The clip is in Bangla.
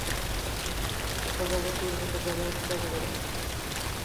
আর তুমি এক প্রজাপতির মতো জালে আটকা পড়েছ।